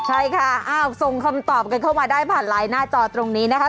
ใช่ค่ะส่งคำตอบกันเข้ามาได้ผ่านไลน์หน้าจอตรงนี้นะคะ